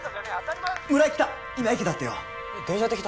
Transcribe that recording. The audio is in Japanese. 村井来た